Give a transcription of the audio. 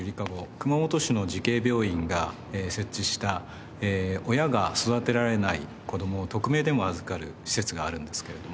熊本市の慈恵病院が設置した親が育てられない子供を匿名でも預かる施設があるんですけれども。